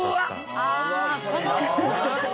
ああ！